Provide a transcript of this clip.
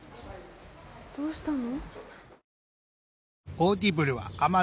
どうしたの？